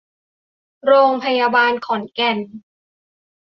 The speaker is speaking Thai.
โรงพยาบาลขอนแก่น